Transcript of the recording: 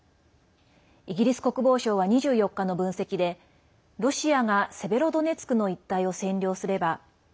イギリス国防省は２４日の分析でロシアがセベロドネツクの一帯を占領すれば